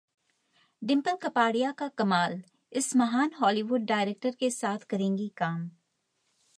डिंपल कपाड़िया का कमाल, इस महान हॉलीवुड डायरेक्टर के साथ करेंगी काम